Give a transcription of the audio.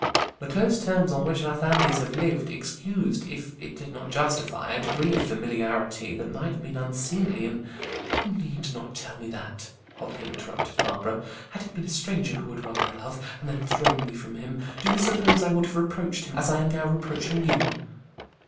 The close terms on which our families have lived, excused, if it did not justify, a degree of familiarity that might have been unseemly in " "You need not tell me that," hotly interrupted Barbara. "Had it been a stranger who had won my love and then thrown me from him, do you suppose I would have reproached him as I am now reproaching you?